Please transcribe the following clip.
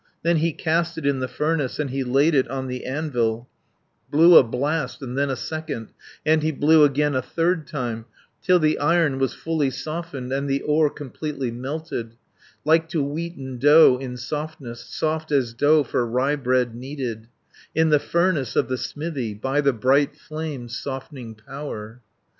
"Then he cast it in the furnace, And he laid it on the anvil, Blew a blast, and then a second, And he blew again a third time, 160 Till the Iron was fully softened, And the ore completely melted, Like to wheaten dough in softness, Soft as dough for ryebread kneaded, In the furnace of the smithy, By the bright flame's softening power.